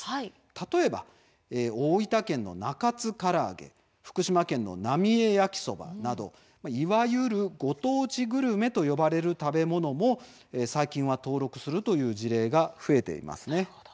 例えば大分県の「中津からあげ」福島県の「なみえ焼きそば」などいわゆるご当地グルメと呼ばれる食べ物も最近は登録するという事例が増えています。